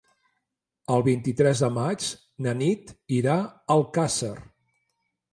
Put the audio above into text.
El vint-i-tres de maig na Nit irà a Alcàsser.